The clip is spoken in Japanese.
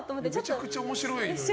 めちゃくちゃ面白いのにな。